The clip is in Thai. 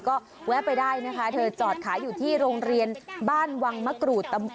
ก็แวะไปได้นะคะเธอจอดขายอยู่ที่โรงเรียนบ้านวังมะกรูด